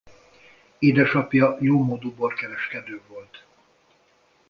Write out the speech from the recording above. Édesapja jómódú borkereskedő volt.